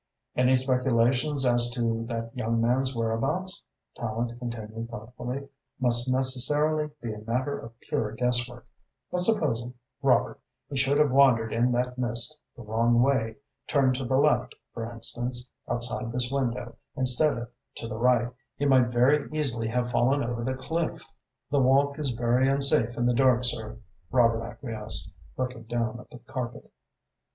"Any speculations as to that young man's whereabouts," Tallente continued thoughtfully, "must necessarily be a matter of pure guesswork, but supposing, Robert, he should have wandered in that mist the wrong way turned to the left, for instance, outside this window, instead of to the right he might very easily have fallen over the cliff." "The walk is very unsafe in the dark, sir," Robert acquiesced, looking down at the carpet.